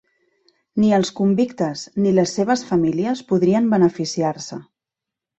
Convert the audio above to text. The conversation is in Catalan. Ni els convictes ni les seves famílies podrien beneficiar-se.